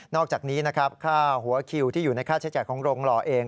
อกจากนี้นะครับค่าหัวคิวที่อยู่ในค่าใช้จ่ายของโรงหล่อเอง